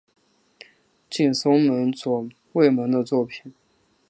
近松门左卫门的作品。